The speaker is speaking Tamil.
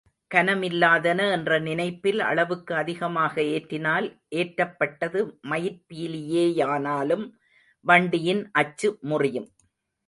கனமில்லாதன என்ற நினைப்பில் அளவுக்கு அதிகமாக ஏற்றினால் ஏற்றப்பட்டது மயிற் பீலியேயானாலும் வண்டியின் அச்சுமுறியும்.